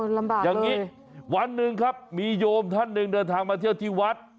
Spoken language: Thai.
ลำบากอย่างนี้วันหนึ่งครับมีโยมท่านหนึ่งเดินทางมาเที่ยวที่วัด